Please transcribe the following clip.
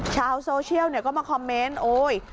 ชาวโซเชียลก็มาคอมเมนต์โอ๊ย